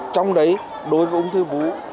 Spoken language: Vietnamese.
trong đấy đối với ung thư vú